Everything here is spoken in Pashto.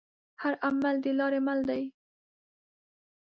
هر عمل دلارې مل دی.